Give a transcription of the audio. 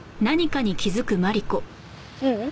ううん。